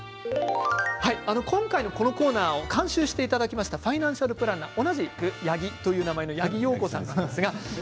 今回のこのコーナーを監修していただきましたファイナンシャルプランナー同じく八木という名前の八木陽子さんなんですが。